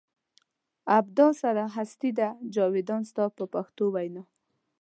ابدا سره هستي ده جاویدان ستا په پښتو وینا.